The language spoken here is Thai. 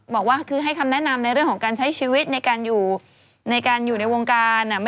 บอกว่าคือให้คำแนะนำในเรื่องของการใช้ชีวิตในการอยู่ในการอยู่ในวงการ